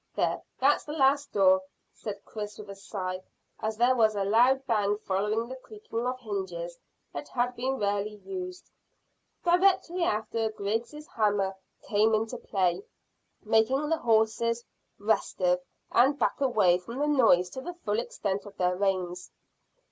There, that's the last door," said Chris with a sigh, as there was a loud bang following the creaking of hinges that had been rarely used. Directly after, Griggs' hammer came into play, making the horses restive and back away from the noise to the full extent of their reins.